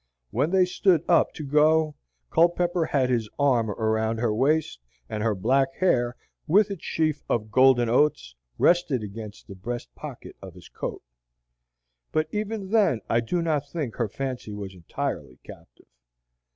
When they stood up to go Culpepper had his arm around her waist, and her black hair, with its sheaf of golden oats, rested against the breast pocket of his coat. But even then I do not think her fancy was entirely captive.